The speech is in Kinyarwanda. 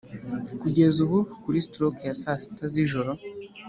kugeza ubu, kuri stroke ya saa sita z'ijoro,